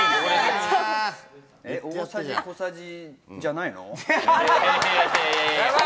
大さじ小さじじゃないの？